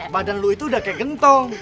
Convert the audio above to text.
badan lu itu udah kayak gentong